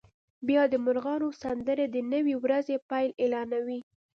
بیا د مرغانو سندرې د نوې ورځې پیل اعلانوي